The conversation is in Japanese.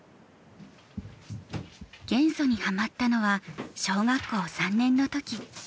元素にハマったのは小学校３年の時。